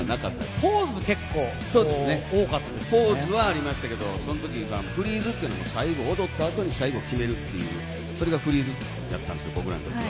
ポーズは結構ありましたけどフリーズっていうのは踊ったあとに最後決めるっていうそれがフリーズだったんです僕らにとっては。